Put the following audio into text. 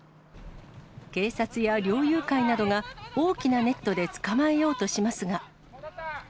警察や猟友会などが、大きなネットで捕まえようとしますが。